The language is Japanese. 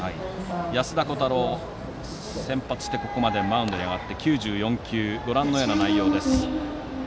安田虎汰郎、先発してここまでマウンドに上がって９４球とご覧のような内容です。